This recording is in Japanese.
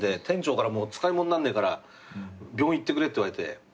店長から使い物になんねえから病院行ってくれって言われて。